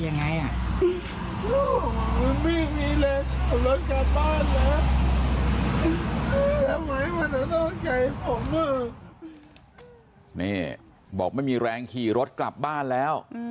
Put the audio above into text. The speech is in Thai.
นี่บอกไม่มีแรงขี่รถกลับบ้านแล้ว